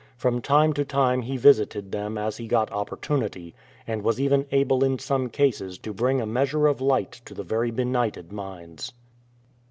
From time to time he visited them as he got opportunity, and was even able in some cases to bring a measure of light to very benighted minds.